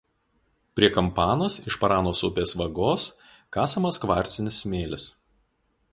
Prie Kampanos iš Paranos upės vagos kasamas kvarcinis smėlis.